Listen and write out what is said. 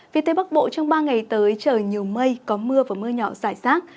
vì tây bắc bộ trong ba ngày tới trời nhiều mây có mưa và mưa nhỏ rải rác